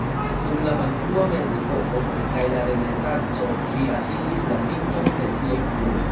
Dum la malfrua mezepoko kaj la renesanco ĝi atingis la pinton de sia influo.